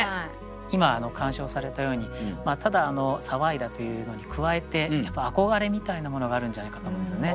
今鑑賞されたようにただ騒いだというのに加えてやっぱ憧れみたいなものがあるんじゃないかと思うんですよね。